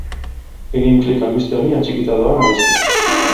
Egin klik albiste honi atxikita doan abestian!